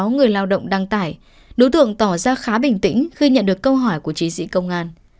người lao động đăng tải đối tượng tỏ ra khá bình tĩnh khi nhận được câu hỏi của chiến sĩ công an